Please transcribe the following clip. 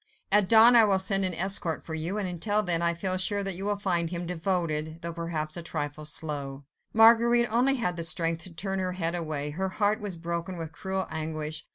At dawn I will send an escort for you; until then, I feel sure that you will find him devoted, though perhaps a trifle slow." Marguerite only had the strength to turn her head away. Her heart was broken with cruel anguish.